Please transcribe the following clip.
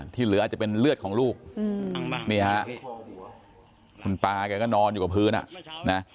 ที่เหลืออาจจะเป็นเลือดของลูกนี่ฮะคุณตาแกก็นอนอยู่กับพื้นอ่ะนะ